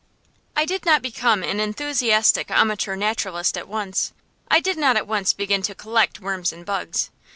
I did not become an enthusiastic amateur naturalist at once; I did not at once begin to collect worms and bugs.